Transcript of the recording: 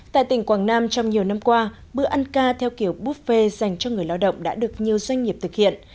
tại tỉnh quảng nam trong nhiều năm qua bữa ăn ca theo kiểu buffet dành cho người lao động đã được nhiều doanh nghiệp thực hiện